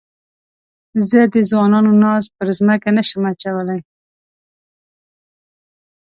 زه د ځوانانو ناز پر مځکه نه شم اچولای.